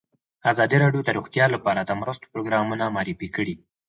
ازادي راډیو د روغتیا لپاره د مرستو پروګرامونه معرفي کړي.